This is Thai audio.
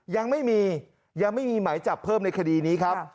ยังไม่มียังไม่มีหมายจับเพิ่มในคดีนี้ครับ